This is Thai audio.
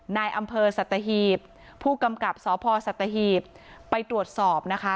นายอำเภอสตทธิพย์ผู้กำกับสพอสตธิพย์ไปตรวจสอบนะคะ